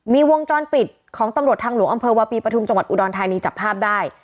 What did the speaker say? มีวงจรปิดของตำรวจทางหลวงอำเภอวาปีปฐุมจังหวัดอุดรธานีจับภาพได้